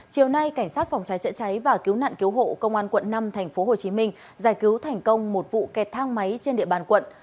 chiều nay cảnh sát phòng cháy chữa cháy và cứu nạn cứu hộ công an quận năm tp hcm giải cứu thành công một vụ kẹt thang máy trên địa bàn quận